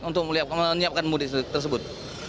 untuk menyiapkan mudik tersebut